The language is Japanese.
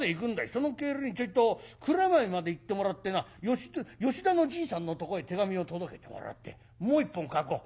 その帰りにちょいと蔵前まで行ってもらってな吉田のじいさんのとこへ手紙を届けてもらってもう一本書こう。